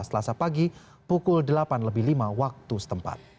setelah sepagi pukul delapan lebih lima waktu setempat